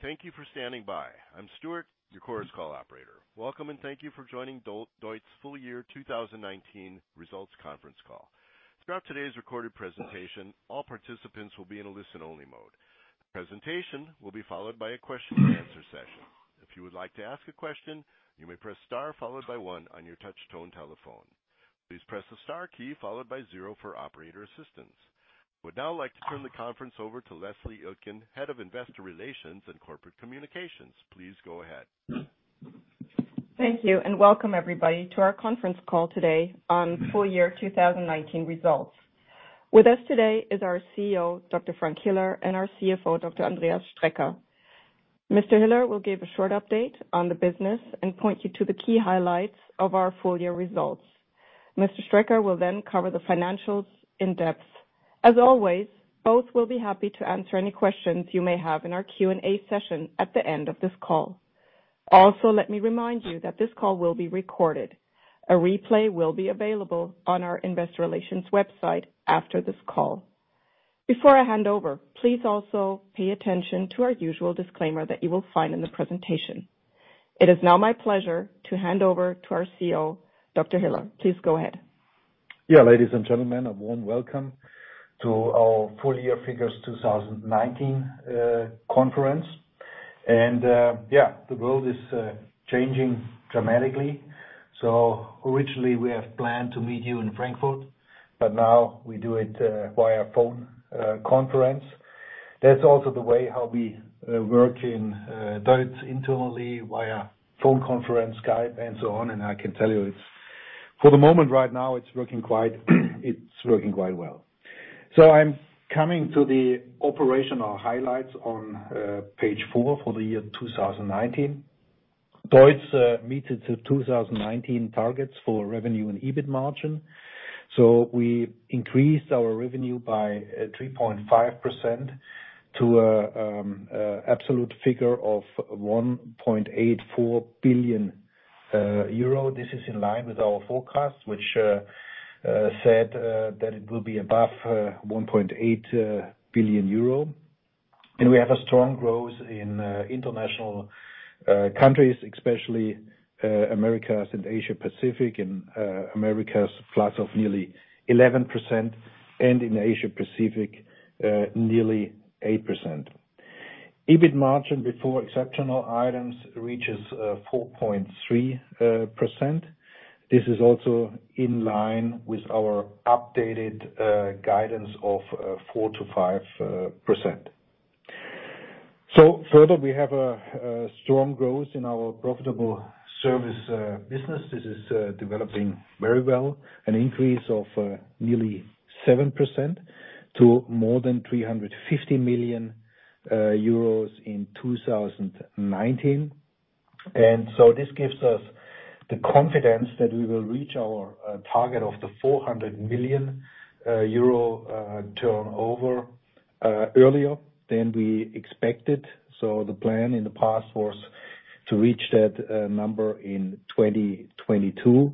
Thank you for standing by. I'm Stuart, your conference call operator. Welcome and thank you for joining DEUTZ's full-year 2019 results conference call. Throughout today's recorded presentation, all participants will be in a listen-only mode. The presentation will be followed by a question-and-answer session. If you would like to ask a question, you may press star followed by one on your touch-tone telephone. Please press the star key followed by zero for operator assistance. I would now like to turn the conference over to Leslie Ilkin, Head of Investor Relations and Corporate Communications. Please go ahead. Thank you and welcome everybody to our conference call today on full-year 2019 results. With us today is our CEO, Dr. Frank Hiller, and our CFO, Dr. Andreas Strecker. Mr. Hiller will give a short update on the business and point you to the key highlights of our full-year results. Mr. Strecker will then cover the financials in depth. As always, both will be happy to answer any questions you may have in our Q&A session at the end of this call. Also, let me remind you that this call will be recorded. A replay will be available on our Investor Relations website after this call. Before I hand over, please also pay attention to our usual disclaimer that you will find in the presentation. It is now my pleasure to hand over to our CEO, Dr. Hiller. Please go ahead. Yeah, ladies and gentlemen, a warm welcome to our full-year figures 2019 conference. Yeah, the world is changing dramatically. Originally, we had planned to meet you in Frankfurt, but now we do it via phone conference. That's also the way how we work in DEUTZ internally via phone conference, Skype, and so on. I can tell you, for the moment right now, it's working quite well. I'm coming to the operational highlights on page four for the year 2019. DEUTZ meets its 2019 targets for revenue and EBIT margin. We increased our revenue by 3.5% to an absolute figure of 1.84 billion euro. This is in line with our forecast, which said that it will be above 1.8 billion euro. We have strong growth in international countries, especially Americas and Asia Pacific, with Americas up nearly 11% and Asia Pacific nearly 8%. EBIT margin before exceptional items reaches 4.3%. This is also in line with our updated guidance of 4-5%. Further, we have strong growth in our profitable service business. This is developing very well, an increase of nearly 7% to more than 350 million euros in 2019. This gives us the confidence that we will reach our target of the 400 million euro turnover earlier than we expected. The plan in the past was to reach that number in 2022.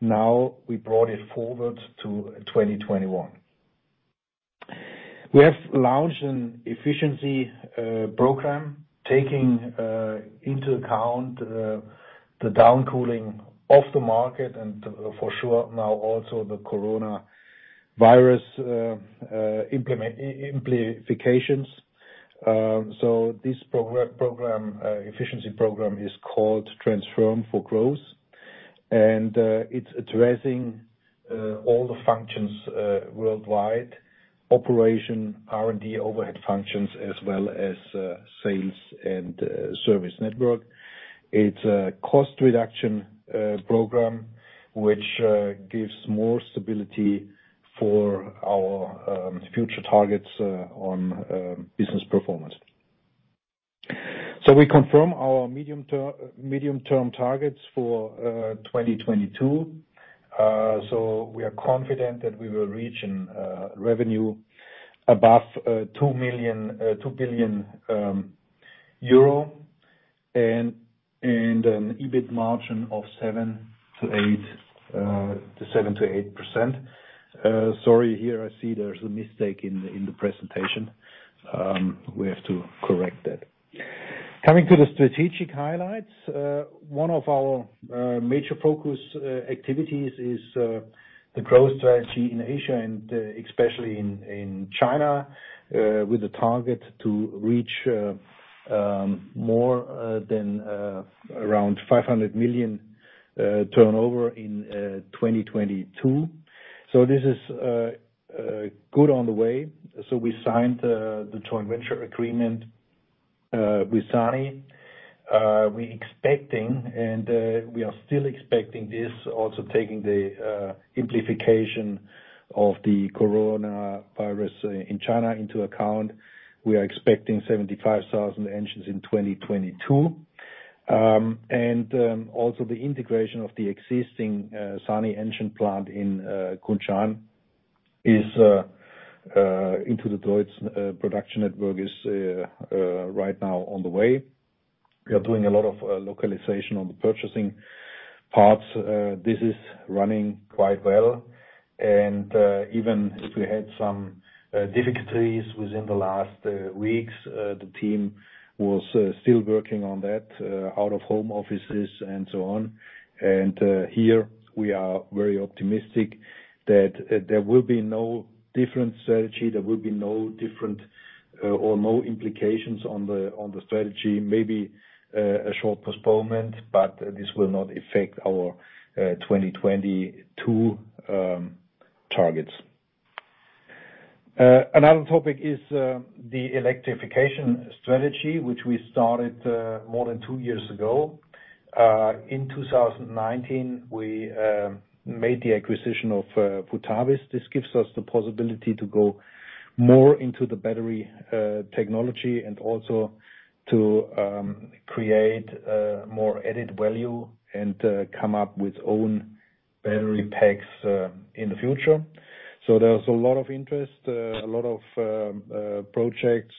Now we brought it forward to 2021. We have launched an efficiency program taking into account the down cooling of the market and for sure now also the coronavirus implications. This program, efficiency program, is called Transform for Growth, and it's addressing all the functions worldwide: operation, R&D, overhead functions, as well as sales and service network. It's a cost reduction program which gives more stability for our future targets on business performance. We confirm our medium-term targets for 2022. We are confident that we will reach revenue above 2 billion euro and an EBIT margin of 7-8%. Sorry, here I see there's a mistake in the presentation. We have to correct that. Coming to the strategic highlights, one of our major focus activities is the growth strategy in Asia and especially in China, with a target to reach more than around 500 million turnover in 2022. This is good on the way. We signed the joint venture agreement with SANY. We are expecting, and we are still expecting this, also taking the amplification of the coronavirus in China into account. We are expecting 75,000 engines in 2022. Also, the integration of the existing SANY engine plant in Kunshan into the DEUTZ production network is right now on the way. We are doing a lot of localization on the purchasing parts. This is running quite well. Even if we had some difficulties within the last weeks, the team was still working on that out of home offices and so on. Here we are very optimistic that there will be no different strategy, there will be no different or no implications on the strategy, maybe a short postponement, but this will not affect our 2022 targets. Another topic is the electrification strategy, which we started more than two years ago. In 2019, we made the acquisition of Futavis. This gives us the possibility to go more into the battery technology and also to create more added value and come up with own battery packs in the future. There is a lot of interest, a lot of projects,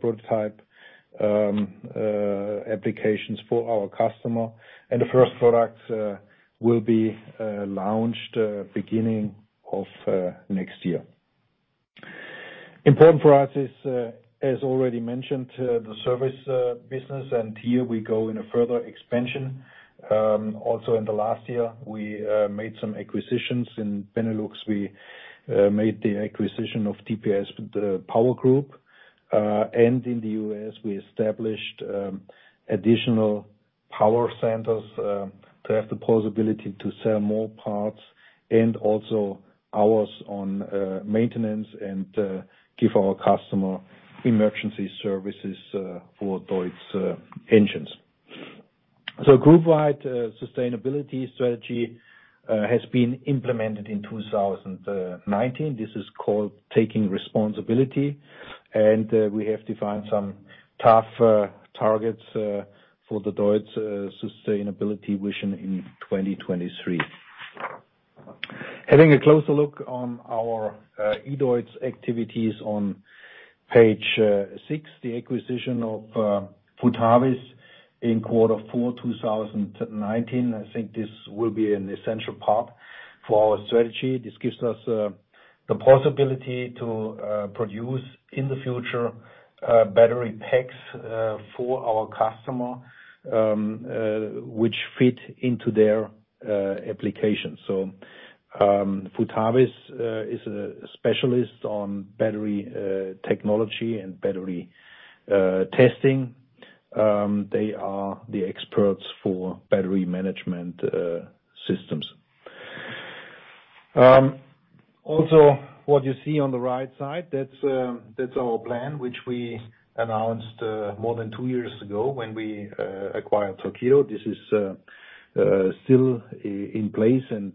prototype applications for our customer. The first product will be launched beginning of next year. Important for us is, as already mentioned, the service business, and here we go in a further expansion. Also in the last year, we made some acquisitions in Benelux. We made the acquisition of TPS Power Group. In the U.S., we established additional power centers to have the possibility to sell more parts and also hours on maintenance and give our customer emergency services for DEUTZ engines. Group-wide sustainability strategy has been implemented in 2019. This is called Taking Responsibility. We have defined some tough targets for the DEUTZ sustainability vision in 2023. Having a closer look at our eDEUTZ activities on page six, the acquisition of Futavis in quarter four 2019, I think this will be an essential part of our strategy. This gives us the possibility to produce in the future battery packs for our customers which fit into their application. Futavis is a specialist in battery technology and battery testing. They are the experts for battery management systems. Also, what you see on the right side, that is our plan which we announced more than two years ago when we acquired Torqeedo. This is still in place and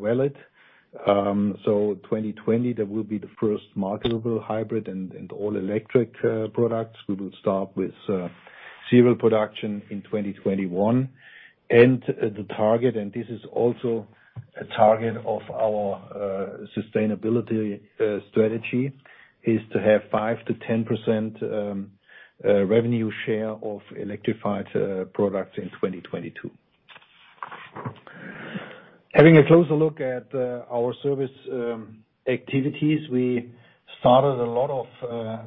valid. In 2020, there will be the first marketable hybrid and all-electric products. We will start with serial production in 2021. The target, and this is also a target of our sustainability strategy, is to have 5-10% revenue share of electrified products in 2022. Having a closer look at our service activities, we started a lot of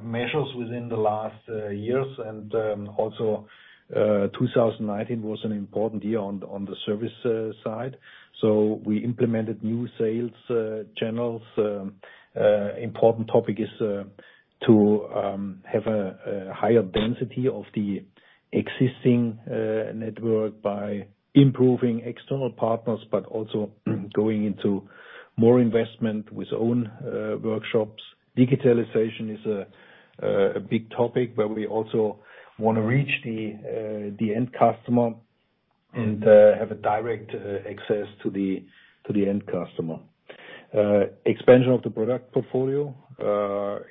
measures within the last years. 2019 was an important year on the service side. We implemented new sales channels. An important topic is to have a higher density of the existing network by improving external partners, but also going into more investment with own workshops. Digitalization is a big topic where we also want to reach the end customer and have direct access to the end customer. Expansion of the product portfolio,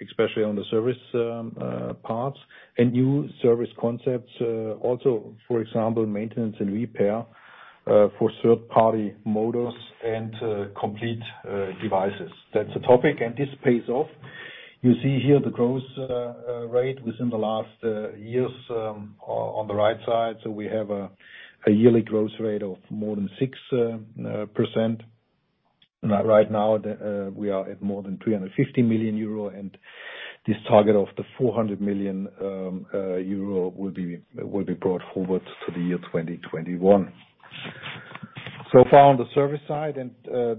especially on the service parts, and new service concepts. Also, for example, maintenance and repair for third-party motors and complete devices. That is a topic, and this pays off. You see here the growth rate within the last years on the right side. We have a yearly growth rate of more than 6%. Right now, we are at more than 350 million euro, and this target of the 400 million euro will be brought forward to the year 2021. Far on the service side, and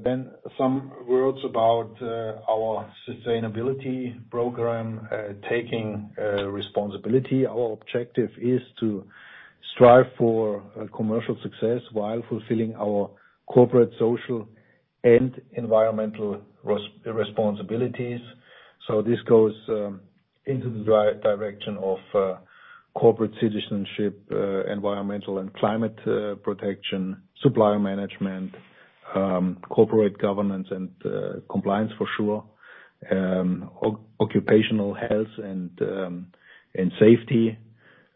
then some words about our sustainability program, Taking Responsibility. Our objective is to strive for commercial success while fulfilling our corporate, social, and environmental responsibilities. This goes into the direction of corporate citizenship, environmental and climate protection, supplier management, corporate governance and compliance for sure, occupational health and safety,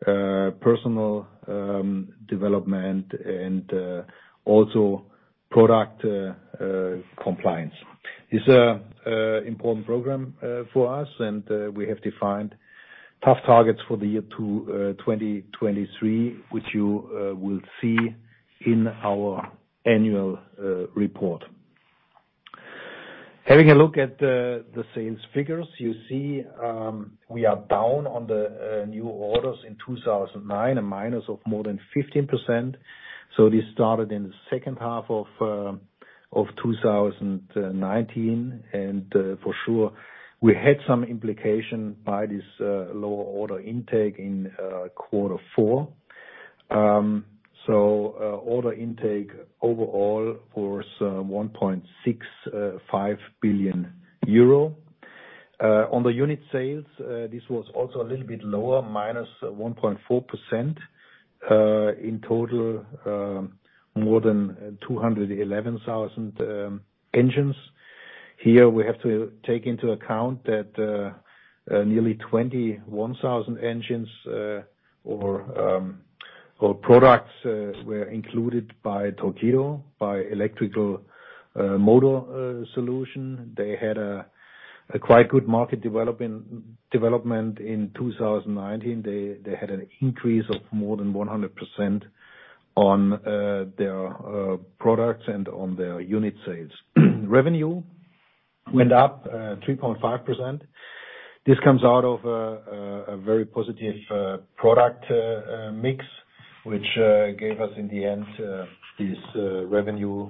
personal development, and also product compliance. It is an important program for us, and we have defined tough targets for the year 2023, which you will see in our annual report. Having a look at the sales figures, you see we are down on the new orders in 2019, a minus of more than 15%. This started in the second half of 2019. For sure, we had some implication by this lower order intake in quarter four. Order intake overall was 1.65 billion euro. On the unit sales, this was also a little bit lower, minus 1.4%. In total, more than 211,000 engines. Here we have to take into account that nearly 21,000 engines or products were included by Torqeedo by electrical motor solution. They had a quite good market development in 2019. They had an increase of more than 100% on their products and on their unit sales. Revenue went up 3.5%. This comes out of a very positive product mix, which gave us in the end this revenue,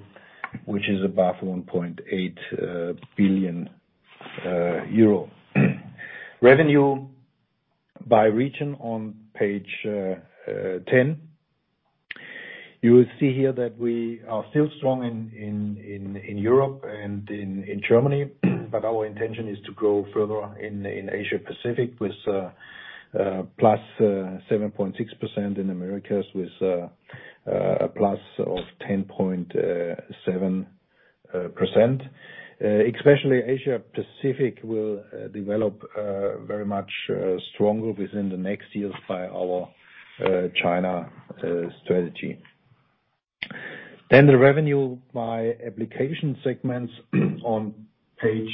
which is above 1.8 billion euro. Revenue by region on page 10. You will see here that we are still strong in Europe and in Germany, but our intention is to grow further in Asia Pacific with plus 7.6% in Americas with a plus of 10.7%. Especially Asia Pacific will develop very much stronger within the next years by our China strategy. The revenue by application segments on page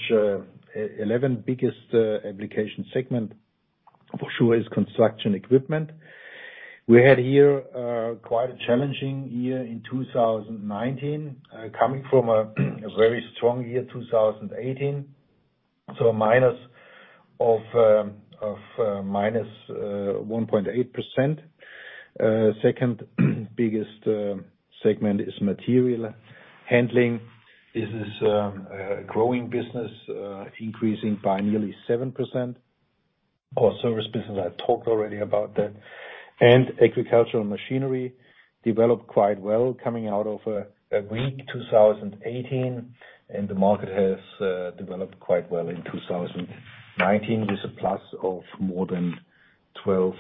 11, biggest application segment for sure is construction equipment. We had here quite a challenging year in 2019, coming from a very strong year 2018. A minus of minus 1.8%. Second biggest segment is material handling. This is a growing business, increasing by nearly 7%. Our service business, I talked already about that. Agricultural machinery developed quite well, coming out of a weak 2018, and the market has developed quite well in 2019 with a plus of more than 12%.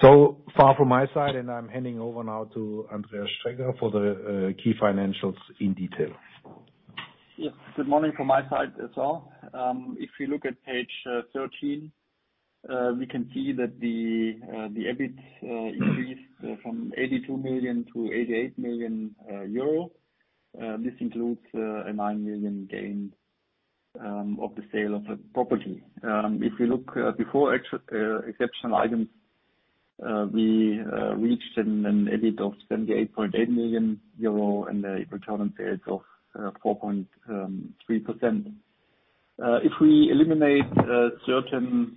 So far from my side, and I'm handing over now to Andreas Strecker for the key financials in detail. Yes. Good morning from my side as well. If you look at page 13, we can see that the EBIT increased from 82 million to 88 million euro. This includes a 9 million gain of the sale of the property. If you look before exceptional items, we reached an EBIT of 78.8 million euro and a return on sales of 4.3%. If we eliminate certain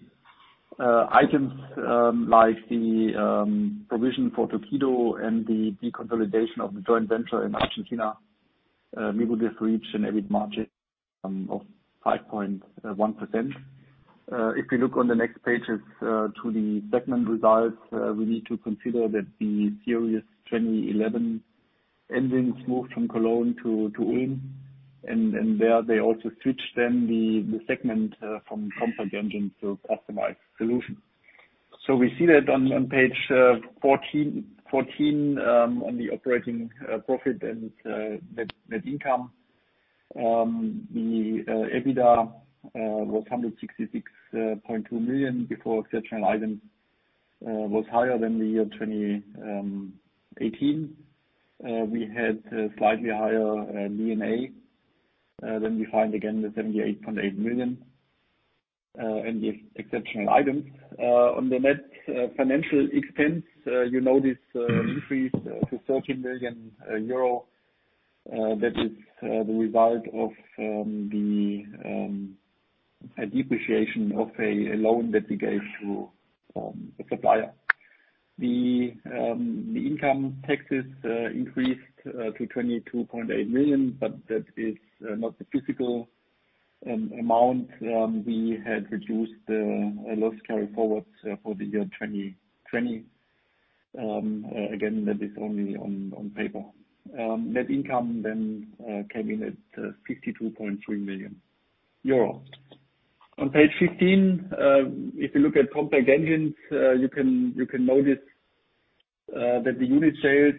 items like the provision for Torqeedo and the deconsolidation of the joint venture in Argentina, we would have reached an EBIT margin of 5.1%. If you look on the next pages to the segment results, we need to consider that the series 2011 engines moved from Cologne to Ulm, and there they also switched then the segment from compact engines to customized solutions. We see that on page 14, on the operating profit and net income, the EBITDA was 166.2 million before exceptional items, was higher than the year 2018. We had slightly higher D&A than we find again with 78.8 million and the exceptional items. On the net financial expense, you notice an increase to 13 million euro. That is the result of the depreciation of a loan that we gave to the supplier. The income taxes increased to 22.8 million, but that is not the physical amount. We had reduced the loss carry forward for the year 2020. Again, that is only on paper. Net income then came in at 52.3 million euro. On page 15, if you look at compact engines, you can notice that the unit sales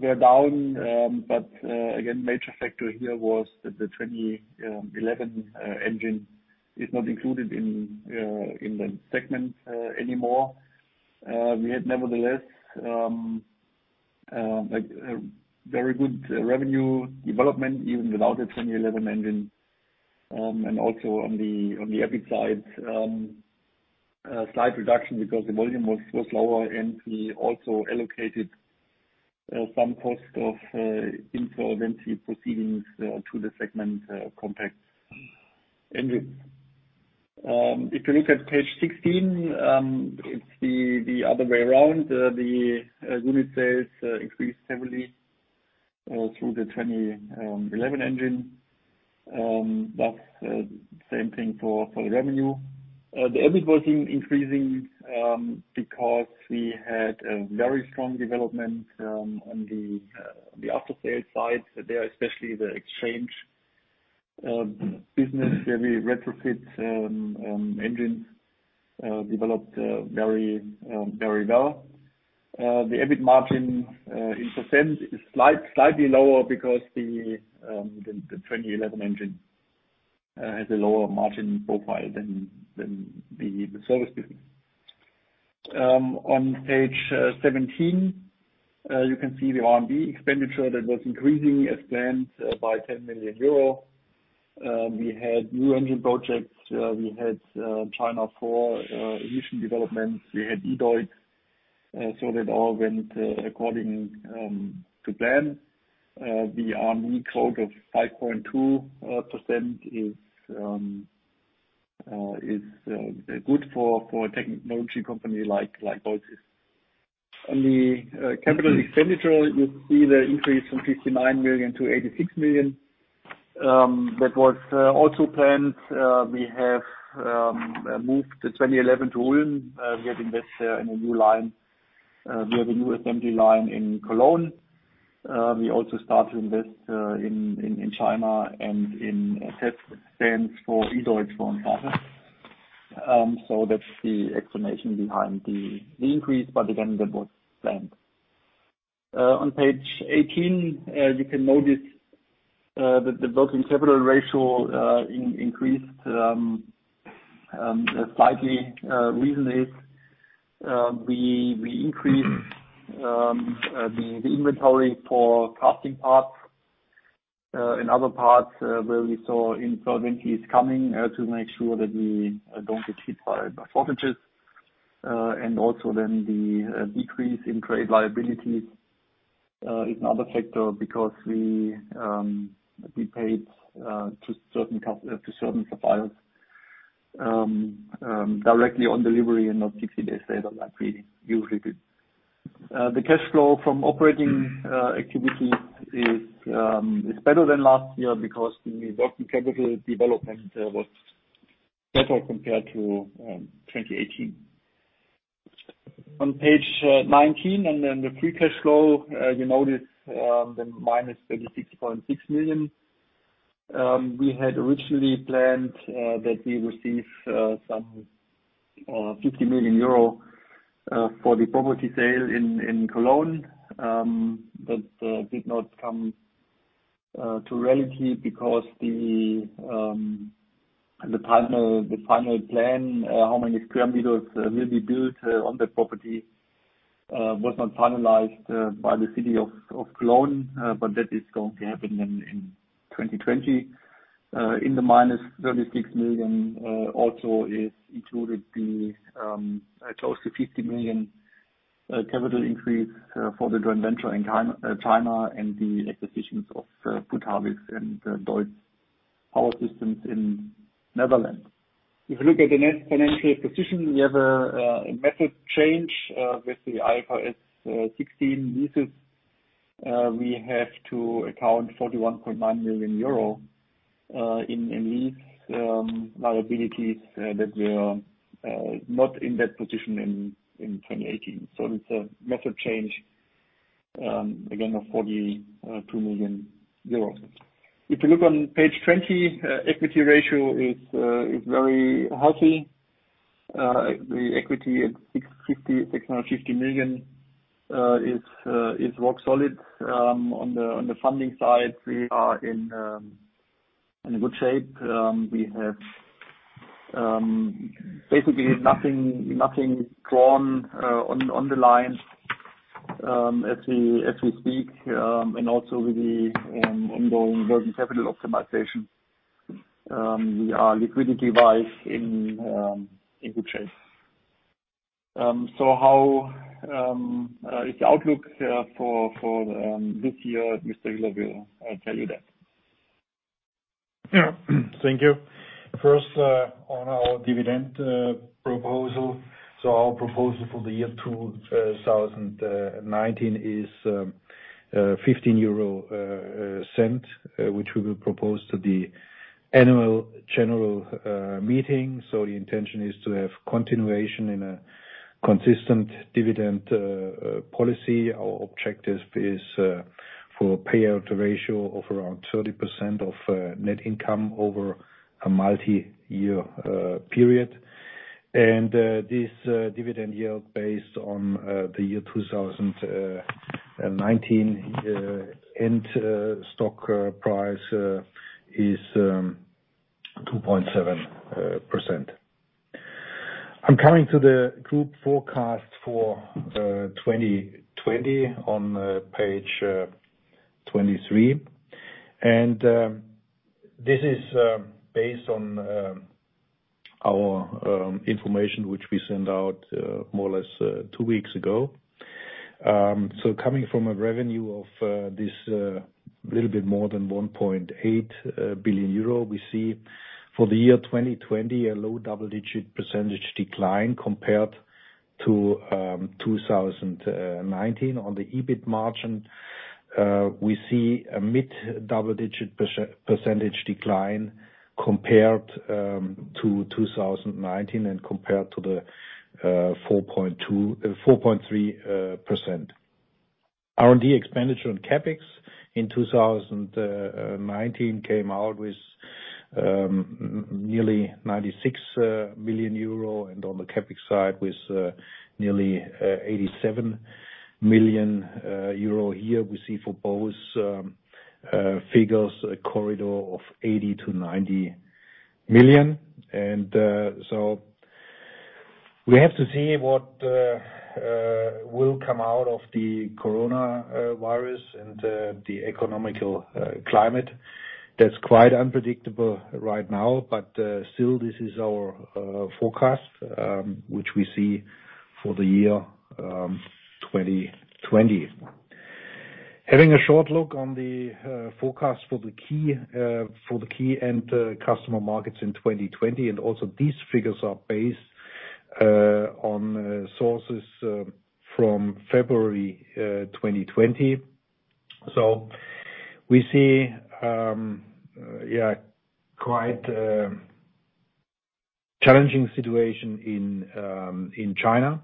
were down, but again, major factor here was that the 2011 engine is not included in the segment anymore. We had nevertheless very good revenue development even without the 2011 engine. Also on the EBIT side, slight reduction because the volume was lower, and we also allocated some cost of insolvency proceedings to the segment compact engines. If you look at page 16, it's the other way around. The unit sales increased heavily through the 2011 engine. That's the same thing for revenue. The EBIT was increasing because we had a very strong development on the after-sales side. There, especially the exchange business, where we retrofit engines, developed very well. The EBIT margin in % is slightly lower because the 2011 engine has a lower margin profile than the service business. On page 17, you can see the R&D expenditure that was increasing as planned by 10 million euro. We had new engine projects. We had China for emission development. We had eDEUTZ. That all went according to plan. The R&D growth of 5.2% is good for a technology company like DEUTZ. On the capital expenditure, you see the increase from 59 million to 86 million. That was also planned. We have moved the 2011 to Ulm. We have invested in a new line. We have a new assembly line in Cologne. We also started to invest in China and in test stands for eDEUTZ for instance. That is the explanation behind the increase, but again, that was planned. On page 18, you can notice that the working capital ratio increased slightly. The reason is we increased the inventory for casting parts and other parts where we saw insolvency is coming to make sure that we do not get hit by shortages. Also, the decrease in trade liabilities is another factor because we paid to certain suppliers directly on delivery and not 60 days later like we usually do. The cash flow from operating activity is better than last year because the working capital development was better compared to 2018. On page 19, on the free cash flow, you notice the minus 36.6 million. We had originally planned that we receive some 50 million euro for the property sale in Cologne, but that did not come to reality because the final plan, how many square meters will be built on the property, was not finalized by the city of Cologne, but that is going to happen in 2020. In the minus 36 million also is included the close to 50 million capital increase for the joint venture in China and the acquisitions of Futavis and Blue Star Power Systems in Netherlands. If you look at the net financial position, we have a method change with the IFRS 16 leases. We have to account 41.9 million euro in lease liabilities that were not in that position in 2018. It is a method change, again, of 42 million euros. If you look on page 20, equity ratio is very healthy. The equity at 650 million is rock solid. On the funding side, we are in good shape. We have basically nothing drawn on the line as we speak. Also, with the ongoing working capital optimization, we are liquidity-wise in good shape. How is the outlook for this year? Mr. Schulte will tell you that. Yeah. Thank you. First, on our dividend proposal. Our proposal for the year 2019 is 0.15, which we will propose to the annual general meeting. The intention is to have continuation in a consistent dividend policy. Our objective is for a payout ratio of around 30% of net income over a multi-year period. This dividend yield based on the year 2019 end stock price is 2.7%. I am coming to the group forecast for 2020 on page 23. This is based on our information, which we sent out more or less two weeks ago. Coming from a revenue of this little bit more than 1.8 billion euro, we see for the year 2020, a low double-digit % decline compared to 2019. On the EBIT margin, we see a mid-double-digit % decline compared to 2019 and compared to the 4.3%. R&D expenditure on CapEx in 2019 came out with nearly 96 million euro, and on the CapEx side with nearly 87 million euro here. We see for both figures a corridor of 80-90 million. We have to see what will come out of the coronavirus and the economical climate. That is quite unpredictable right now, but still this is our forecast, which we see for the year 2020. Having a short look on the forecast for the key and customer markets in 2020, these figures are based on sources from February 2020. We see quite a challenging situation in China.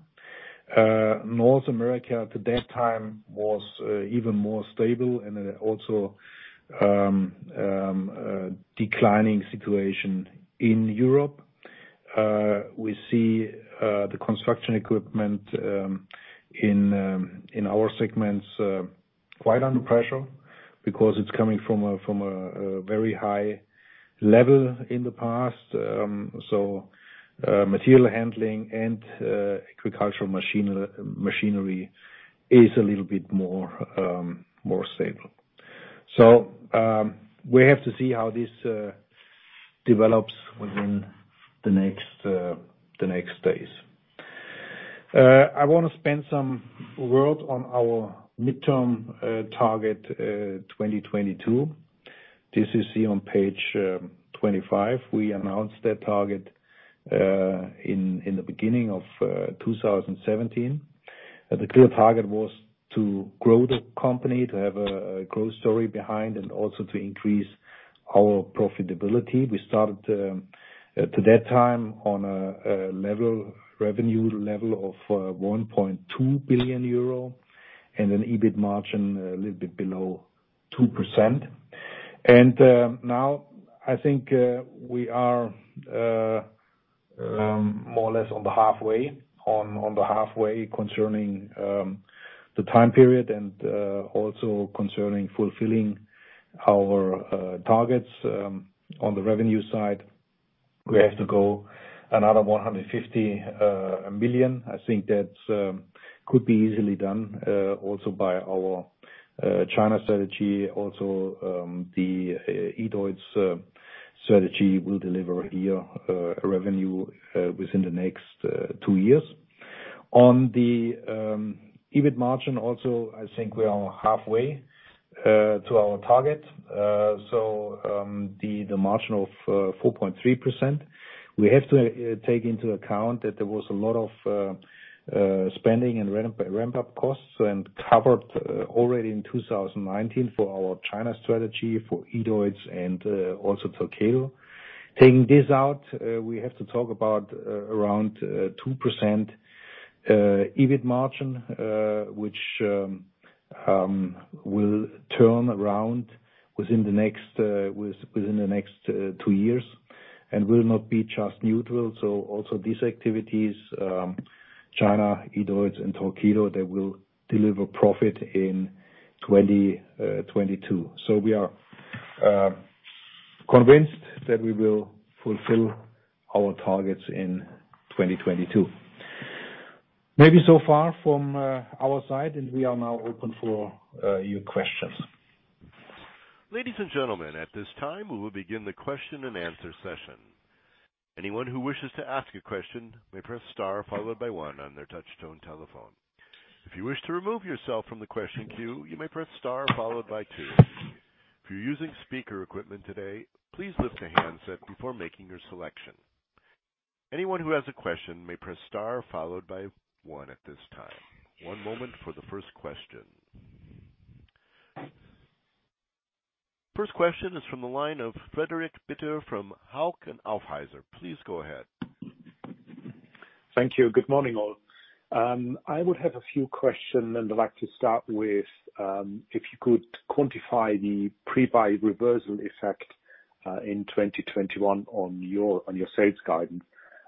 North America at that time was even more stable and also a declining situation in Europe. We see the construction equipment in our segments quite under pressure because it is coming from a very high level in the past. Material handling and agricultural machinery is a little bit more stable. We have to see how this develops within the next days. I want to spend some words on our midterm target 2022. This you see on page 25. We announced that target in the beginning of 2017. The clear target was to grow the company, to have a growth story behind, and also to increase our profitability. We started to that time on a revenue level of 1.2 billion euro and an EBIT margin a little bit below 2%. Now I think we are more or less on the halfway, on the halfway concerning the time period and also concerning fulfilling our targets on the revenue side. We have to go another 150 million. I think that could be easily done also by our China strategy. Also, the eDEUTZ strategy will deliver here revenue within the next two years. On the EBIT margin also, I think we are halfway to our target. The margin of 4.3%—we have to take into account that there was a lot of spending and ramp-up costs covered already in 2019 for our China strategy, for eDEUTZ, and also Torqeedo. Taking this out, we have to talk about around 2% EBIT margin, which will turn around within the next two years and will not be just neutral. Also, these activities—China, eDEUTZ, and Torqeedo—they will deliver profit in 2022. We are convinced that we will fulfill our targets in 2022. Maybe so far from our side, and we are now open for your questions. Ladies and gentlemen, at this time, we will begin the question and answer session. Anyone who wishes to ask a question may press star followed by one on their touch-tone telephone. If you wish to remove yourself from the question queue, you may press star followed by two. If you're using speaker equipment today, please lift a handset before making your selection. Anyone who has a question may press star followed by one at this time. One moment for the first question. First question is from the line of Frederick Bitter from Hauck & Aufhäuser. Please go ahead. Thank you. Good morning, all. I would have a few questions, and I'd like to start with if you could quantify the pre-buy reversal effect in 2021 on your sales guidance.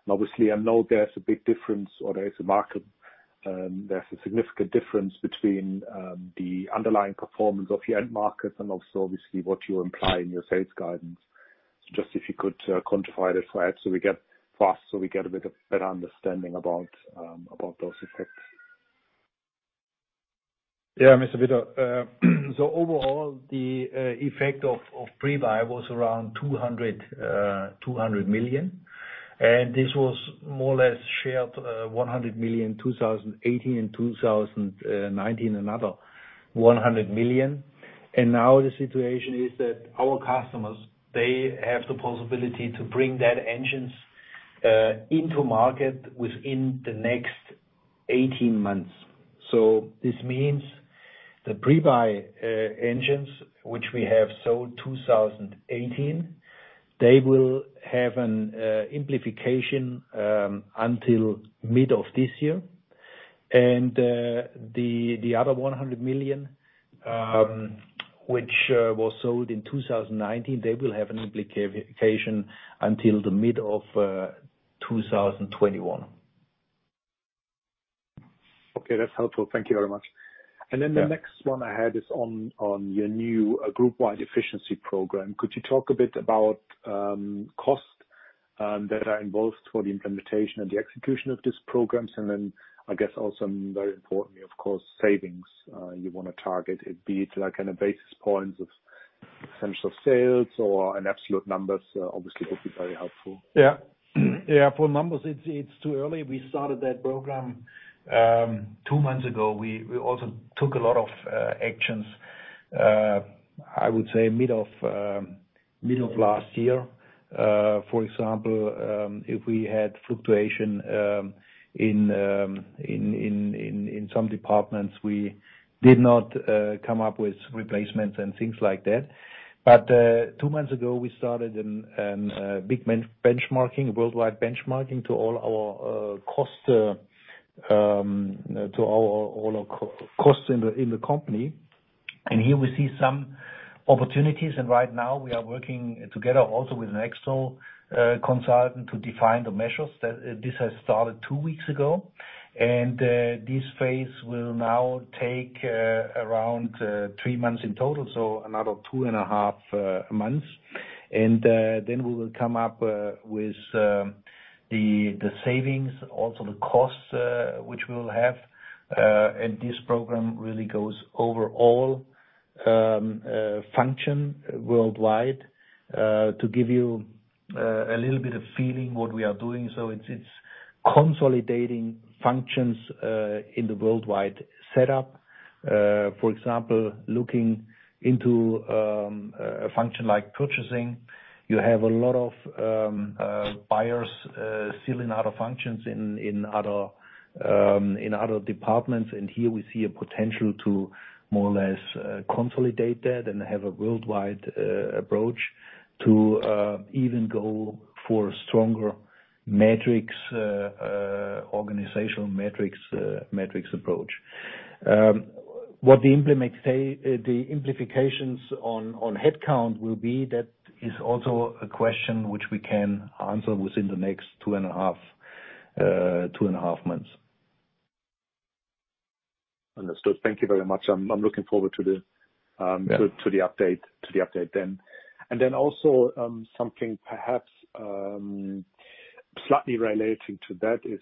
Obviously, I know there's a big difference or there's a significant difference between the underlying performance of your end markets and also obviously what you imply in your sales guidance. Just if you could quantify that for us so we get a bit of better understanding about those effects. Yeah, Mr. Bitter. Overall, the effect of pre-buy was around 200 million. This was more or less shared 100 million in 2018 and 2019, another 100 million. Now the situation is that our customers, they have the possibility to bring that engines into market within the next 18 months. This means the pre-buy engines, which we have sold 2018, they will have an amplification until mid of this year. The other 100 million, which was sold in 2019, they will have an amplification until the mid of 2021. Okay, that's helpful. Thank you very much. The next one I had is on your new group-wide efficiency program. Could you talk a bit about costs that are involved for the implementation and the execution of this program? I guess also very importantly, of course, savings you want to target. It'd be like on a basis point of central sales or an absolute number. It would be very helpful. Yeah. Yeah. For numbers, it's too early. We started that program two months ago. We also took a lot of actions, I would say, mid of last year. For example, if we had fluctuation in some departments, we did not come up with replacements and things like that. Two months ago, we started a big benchmarking, a worldwide benchmarking to all our costs, to all our costs in the company. Here we see some opportunities. Right now, we are working together also with an external consultant to define the measures. This has started two weeks ago. This phase will now take around three months in total, so another two and a half months. Then we will come up with the savings, also the costs which we will have. This program really goes over all functions worldwide to give you a little bit of feeling what we are doing. It is consolidating functions in the worldwide setup. For example, looking into a function like purchasing, you have a lot of buyers filling out functions in other departments. Here we see a potential to more or less consolidate that and have a worldwide approach to even go for stronger metrics, organizational metrics approach. What the amplifications on headcount will be, that is also a question which we can answer within the next two and a half months. Understood. Thank you very much. I am looking forward to the update then. Also, something perhaps slightly relating to that is,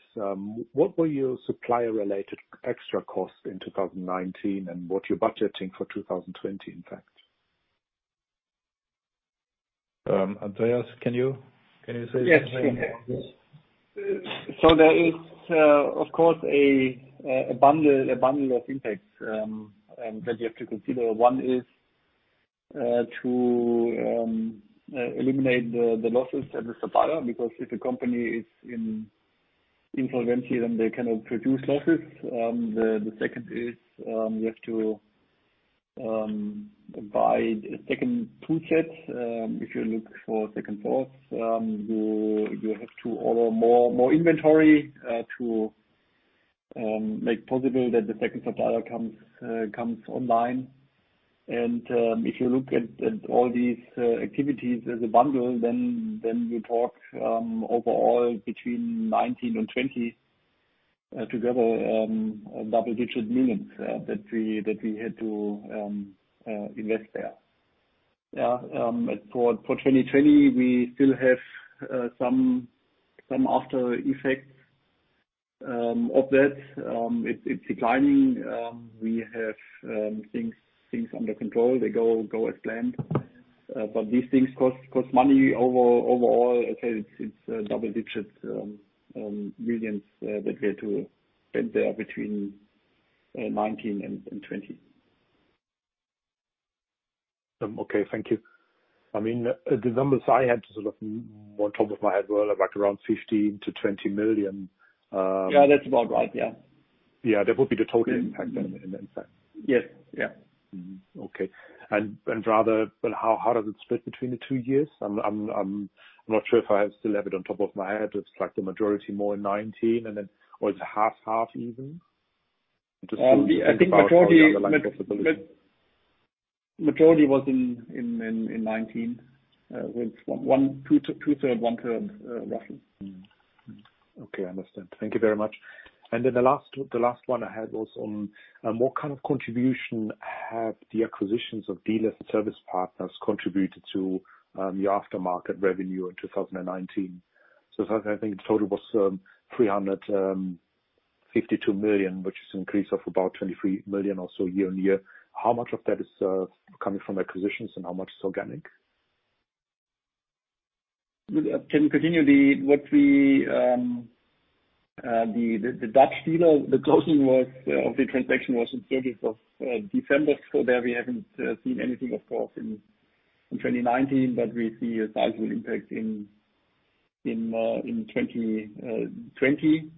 what were your supplier-related extra costs in 2019 and what you are budgeting for 2020, in fact? Andreas, can you say something? Yes. There is, of course, a bundle of impacts that you have to consider. One is to eliminate the losses at the supplier because if the company is in insolvency, then they cannot produce losses. The second is you have to buy a second toolset. If you look for second source, you have to order more inventory to make possible that the second supplier comes online. If you look at all these activities as a bundle, then you talk overall between 2019 and 2020 together, double-digit millions that we had to invest there. For 2020, we still have some after-effects of that. It's declining. We have things under control. They go as planned. These things cost money overall. It's double-digit millions that we had to spend there between 2019 and 2020. Okay. Thank you. I mean, the numbers I had sort of on top of my head were around 15-20 million. Yeah, that's about right. Yeah. Yeah. That would be the total impact in that sense. Yes. Yeah. Okay. Rather, how does it split between the two years? I'm not sure if I still have it on top of my head. It's like the majority more in 2019 or it's half-half even. I think majority was in 2019, with two-thirds, one-third, roughly. Okay. I understand. Thank you very much. The last one I had was on what kind of contribution have the acquisitions of dealers and service partners contributed to your aftermarket revenue in 2019? I think the total was 352 million, which is an increase of about 23 million or so year on year. How much of that is coming from acquisitions and how much is organic? Can you continue? The Dutch dealer, the closing of the transaction was in 30th of December. There we haven't seen anything, of course, in 2019, but we see a sizable impact in 2020.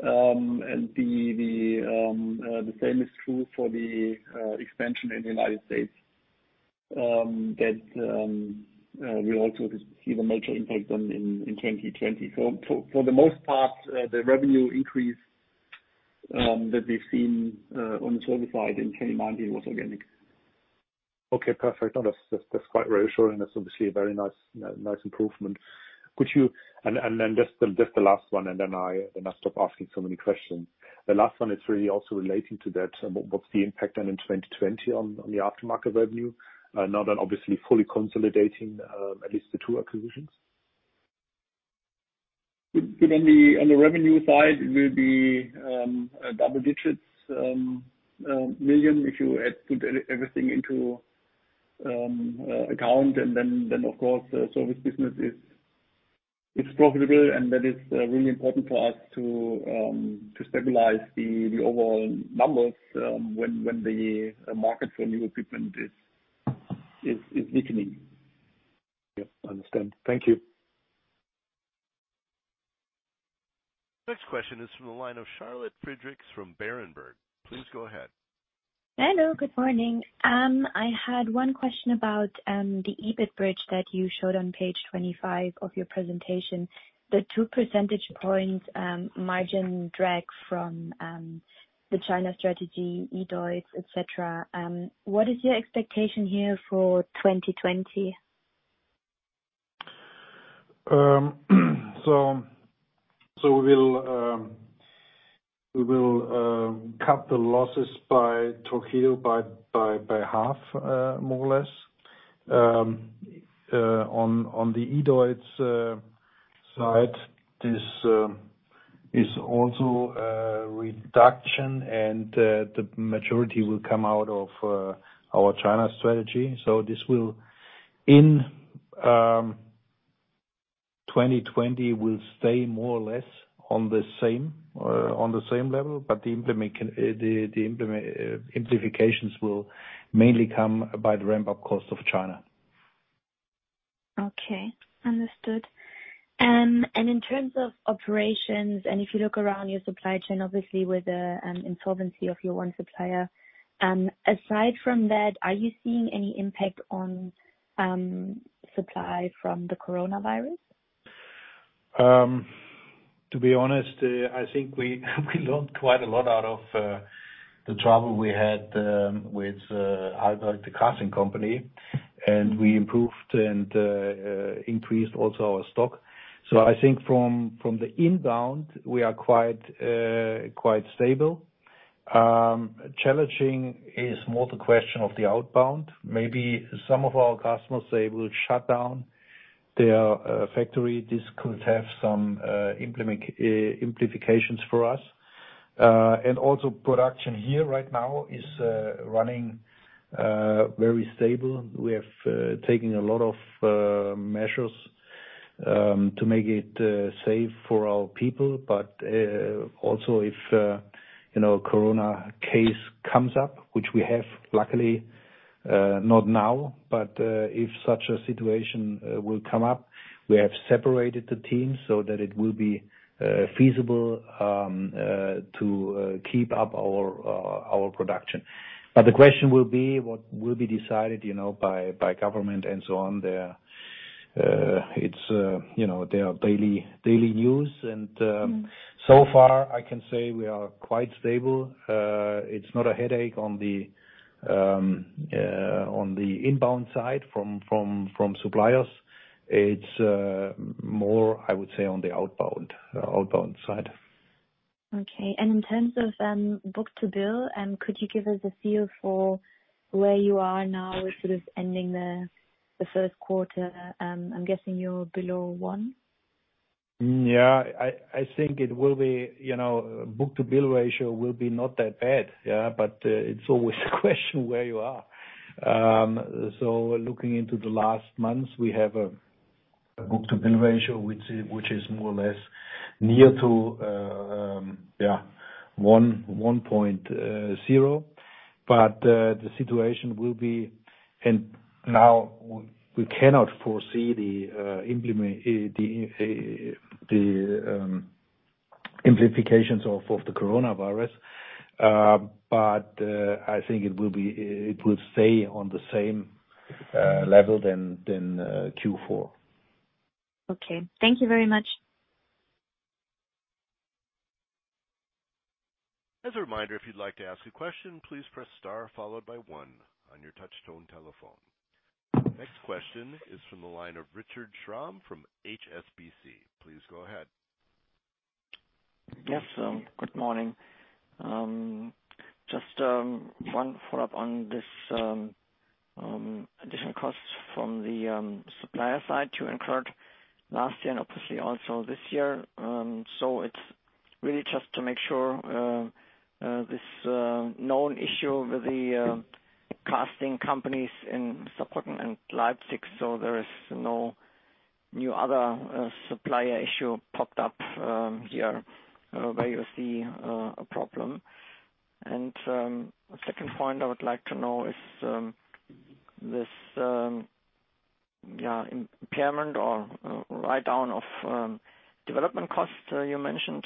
The same is true for the expansion in the United States that we also see the major impact in 2020. For the most part, the revenue increase that we've seen on the service side in 2019 was organic. Okay. Perfect. That's quite reassuring. That's obviously a very nice improvement. Just the last one, and then I'll stop asking so many questions. The last one is really also relating to that. What's the impact then in 2020 on the aftermarket revenue? Not on obviously fully consolidating, at least the two acquisitions? On the revenue side, it will be double-digits million if you put everything into account. The service business is profitable, and that is really important for us to stabilize the overall numbers when the market for new equipment is weakening. Yeah. I understand. Thank you. Next question is from the line of Charlotte Friedrichs from Berenberg. Please go ahead. Hello. Good morning. I had one question about the EBIT bridge that you showed on page 25 of your presentation. The two percentage points margin drag from the China strategy, eDEUTZ, etc. What is your expectation here for 2020? We will cut the losses by Torqeedo by half, more or less. On the eDEUTZ side, this is also a reduction, and the majority will come out of our China strategy. This will, in 2020, stay more or less on the same level, but the amplifications will mainly come by the ramp-up cost of China. Okay. Understood. In terms of operations, if you look around your supply chain, obviously with the insolvency of your one supplier, aside from that, are you seeing any impact on supply from the coronavirus? To be honest, I think we learned quite a lot out of the trouble we had with the casting company. We improved and increased also our stock. I think from the inbound, we are quite stable. Challenging is more the question of the outbound. Maybe some of our customers, they will shut down their factory. This could have some amplifications for us. Also, production here right now is running very stable. We have taken a lot of measures to make it safe for our people. If a corona case comes up, which we have, luckily, not now, if such a situation will come up, we have separated the teams so that it will be feasible to keep up our production. The question will be what will be decided by government and so on. It is their daily news. So far, I can say we are quite stable. It is not a headache on the inbound side from suppliers. It is more, I would say, on the outbound side. Okay. In terms of book-to-bill, could you give us a feel for where you are now with sort of ending the first quarter? I am guessing you are below one? Yeah. I think the book-to-bill ratio will be not that bad. Yeah. It is always a question where you are. Looking into the last months, we have a book-to-bill ratio, which is more or less near to, yeah, 1.0. The situation will be now we cannot foresee the amplifications of the coronavirus. I think it will stay on the same level than Q4. Okay. Thank you very much. As a reminder, if you'd like to ask a question, please press star followed by one on your touchstone telephone. Next question is from the line of Richard Schramm from HSBC. Please go ahead. Yes. Good morning. Just one follow-up on this additional cost from the supplier side to incurred last year and obviously also this year. It's really just to make sure this known issue with the casting companies in Stuttgart and Leipzig. There is no new other supplier issue popped up here where you see a problem. Second point I would like to know is this, yeah, impairment or write-down of development costs you mentioned.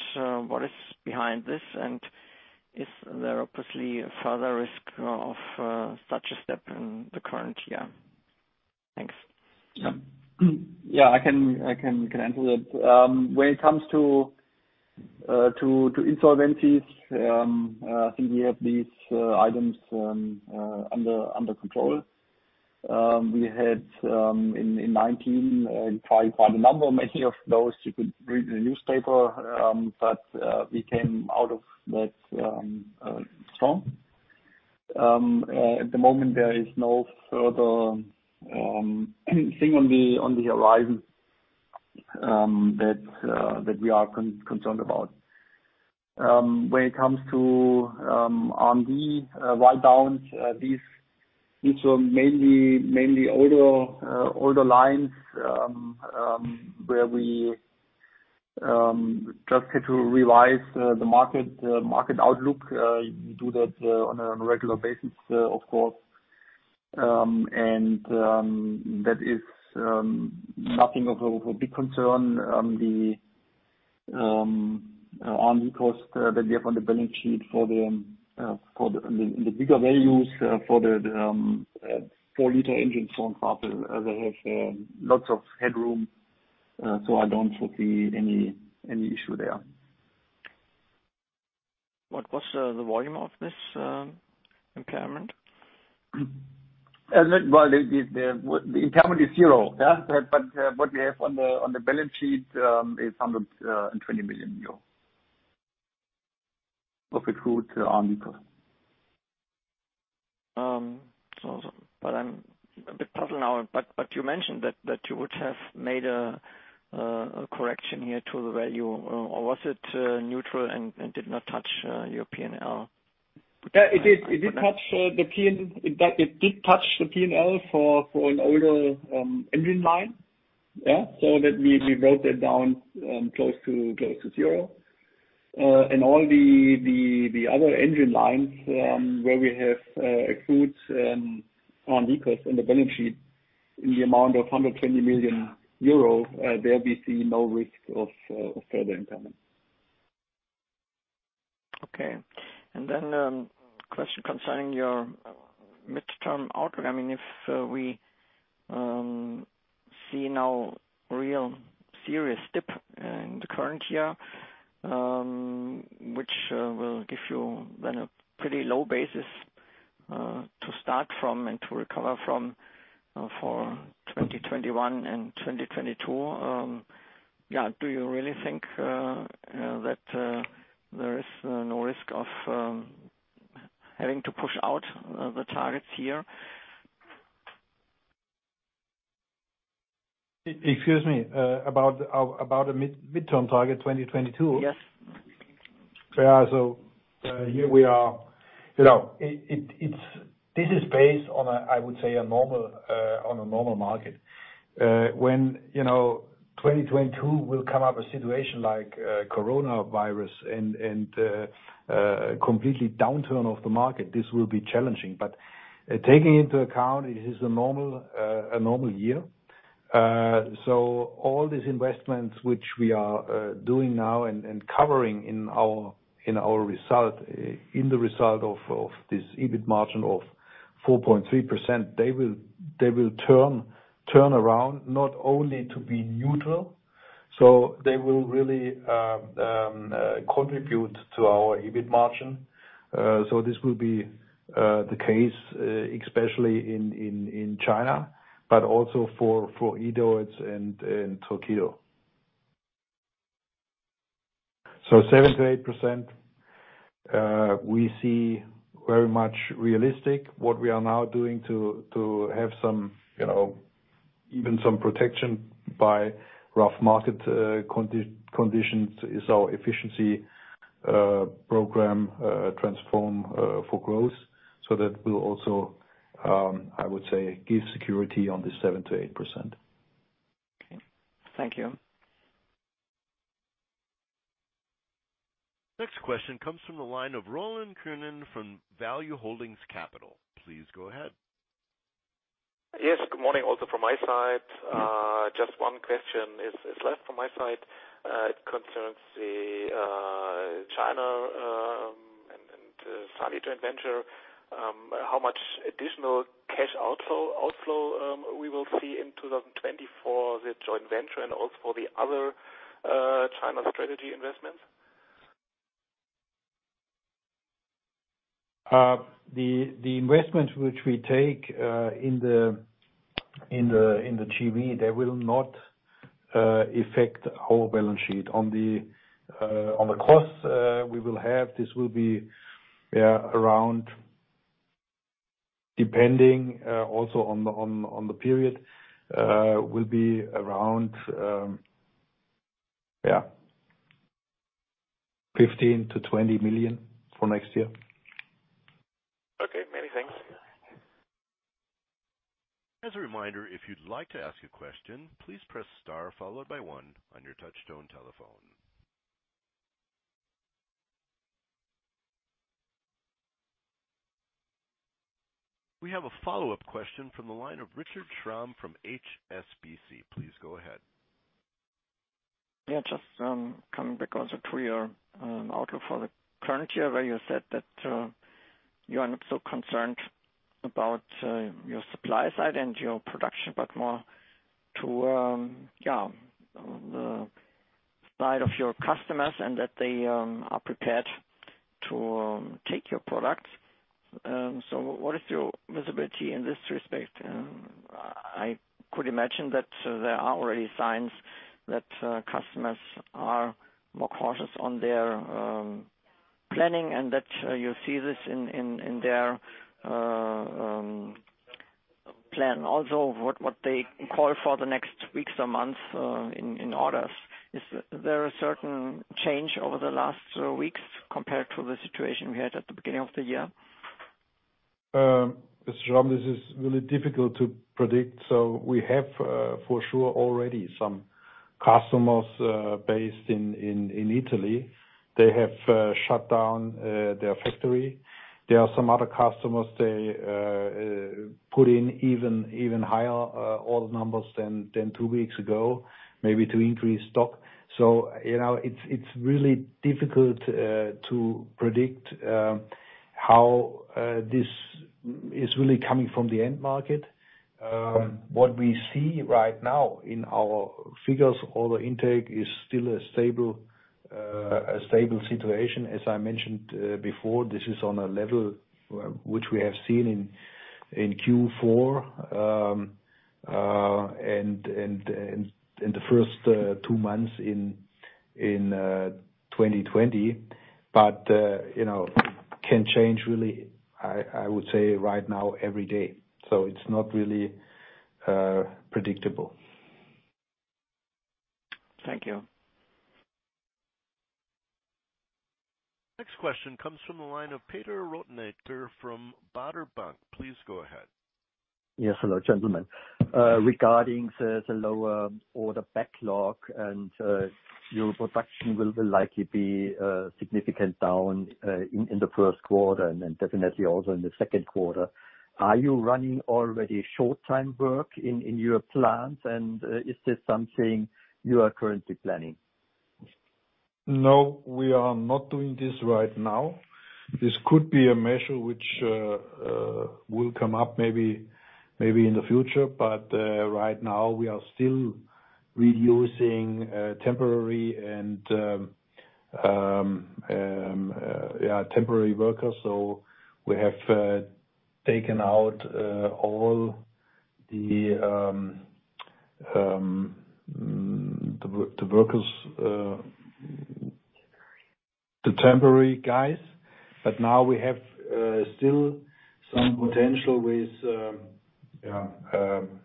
What is behind this? Is there obviously further risk of such a step in the current year? Thanks. Yeah. Yeah. I can answer that. When it comes to insolvencies, I think we have these items under control. We had in 2019 quite a number of many of those you could read in the newspaper, but we came out of that strong. At the moment, there is no further thing on the horizon that we are concerned about. When it comes to R&D write-downs, these were mainly older lines where we just had to revise the market outlook. We do that on a regular basis, of course. That is nothing of a big concern. The R&D cost that we have on the balance sheet for the bigger values for the four-liter engine for example, they have lots of headroom. I do not foresee any issue there. What was the volume of this impairment? The impairment is zero. Yeah. What we have on the balance sheet is 120 million euro of accrued R&D cost. I am a bit puzzled now. You mentioned that you would have made a correction here to the value. Or was it neutral and did not touch your P&L? Yeah. It did touch the P&L. It did touch the P&L for an older engine line. Yeah. We wrote that down close to zero. All the other engine lines where we have accrued R&D cost on the balance sheet in the amount of 120 million euro, there we see no risk of further impairment. Okay. Then question concerning your midterm outlook. I mean, if we see now real serious dip in the current year, which will give you then a pretty low basis to start from and to recover from for 2021 and 2022, yeah, do you really think that there is no risk of having to push out the targets here? Excuse me. About the midterm target 2022? Yes. Yeah. Here we are. This is based on, I would say, a normal market. When 2022 will come up a situation like coronavirus and completely downturn of the market, this will be challenging. Taking into account it is a normal year. All these investments which we are doing now and covering in our result, in the result of this EBIT margin of 4.3%, they will turn around not only to be neutral. They will really contribute to our EBIT margin. This will be the case, especially in China, but also for eDEUTZ and Torqeedo. 7-8% we see very much realistic. What we are now doing to have even some protection by rough market conditions is our efficiency program Transform for Growth. That will also, I would say, give security on the 7-8%. Okay. Thank you. Next question comes from the line of Roland Koenen from Value-Holdings Capital. Please go ahead. Yes. Good morning. Also from my side, just one question is left from my side. It concerns China and SANY joint venture. How much additional cash outflow we will see in 2020 for the joint venture and also for the other China strategy investments? The investment which we take in the JV, they will not affect our balance sheet. On the cost we will have, this will be around, depending also on the period, will be around, yeah, 15-20 million for next year. Okay. Many thanks. As a reminder, if you'd like to ask a question, please press star followed by one on your touchstone telephone. We have a follow-up question from the line of Richard Schramm from HSBC. Please go ahead. Yeah. Just coming back also to your outlook for the current year where you said that you are not so concerned about your supply side and your production, but more to, yeah, the side of your customers and that they are prepared to take your products. What is your visibility in this respect? I could imagine that there are already signs that customers are more cautious on their planning and that you see this in their plan. Also, what they call for the next weeks or months in orders. Is there a certain change over the last weeks compared to the situation we had at the beginning of the year? Mr. Schramm, this is really difficult to predict. We have for sure already some customers based in Italy. They have shut down their factory. There are some other customers they put in even higher order numbers than two weeks ago, maybe to increase stock. It is really difficult to predict how this is really coming from the end market. What we see right now in our figures, order intake is still a stable situation. As I mentioned before, this is on a level which we have seen in Q4 and the first two months in 2020. It can change really, I would say, right now every day. It is not really predictable. Thank you. Next question comes from the line of Peter Rothenaicher from Baader Bank. Please go ahead. Yes. Hello, gentlemen. Regarding the lower order backlog and your production will likely be significant down in the first quarter and then definitely also in the second quarter. Are you running already short-time work in your plants? Is this something you are currently planning? No. We are not doing this right now. This could be a measure which will come up maybe in the future. Right now, we are still reducing temporary and, yeah, temporary workers. We have taken out all the workers, the temporary guys. Now we have still some potential with, yeah,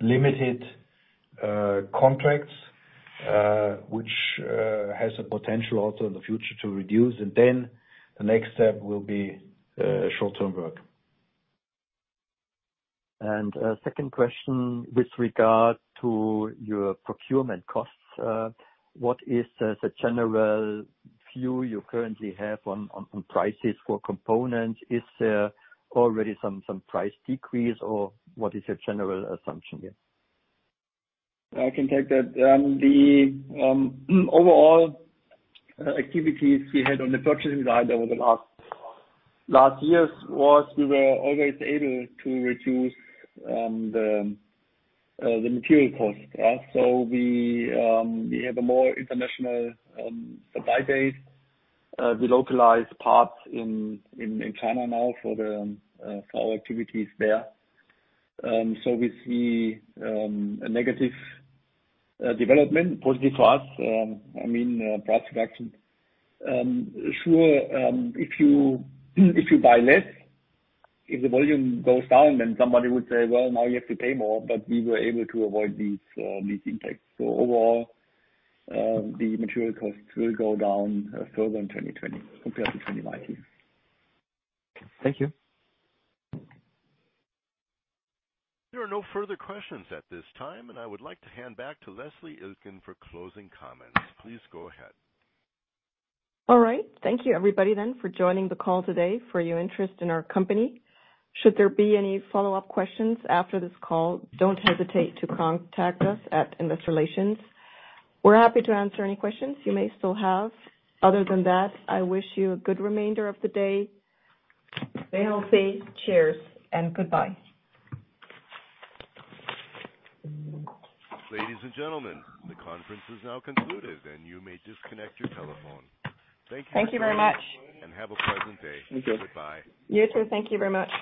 limited contracts, which has a potential also in the future to reduce. The next step will be short-term work. Second question with regard to your procurement costs. What is the general view you currently have on prices for components? Is there already some price decrease or what is your general assumption here? I can take that. The overall activities we had on the purchasing side over the last years was we were always able to reduce the material cost. Yeah. We have a more international supply base. We localize parts in China now for our activities there. We see a negative development, positive for us. I mean, price reduction. Sure, if you buy less, if the volume goes down, then somebody would say, "Well, now you have to pay more." We were able to avoid these impacts. Overall, the material costs will go down further in 2020 compared to 2019. Thank you. There are no further questions at this time, and I would like to hand back to Leslie Ilkin for closing comments. Please go ahead. All right. Thank you, everybody then, for joining the call today for your interest in our company. Should there be any follow-up questions after this call, do not hesitate to contact us at Investor Relations. We are happy to answer any questions you may still have. Other than that, I wish you a good remainder of the day. Stay healthy. Cheers and goodbye. Ladies and gentlemen, the conference is now concluded, and you may disconnect your telephone. Thank you for watching. Thank you very much. And have a pleasant day. Thank you. Goodbye. You too. Thank you very much.